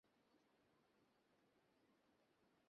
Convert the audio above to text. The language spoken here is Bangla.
তুমি বলছে যখন তাহলে ঠিক আছে।